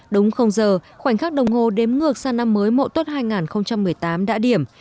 đúng không giờ khoảnh khắc đồng hồ đếm ngược sang năm mới mộ tốt hai nghìn một mươi tám đã điểm